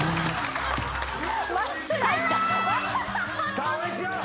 さあ応援しよう。